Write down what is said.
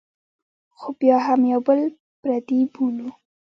خو بیا هم یو بل پردي بولو.